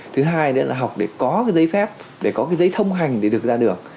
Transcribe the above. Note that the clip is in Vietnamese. thứ hai nữa là học để có cái giấy phép để có cái giấy thông hành để được ra đường